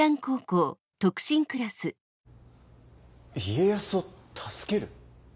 家康を助ける？